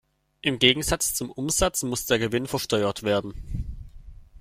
Im Gegensatz zum Umsatz muss der Gewinn versteuert werden.